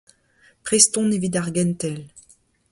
Prest on evit ar gentel.